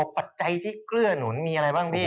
ปัจจัยที่เคลื่อนมีอะไรบ้าง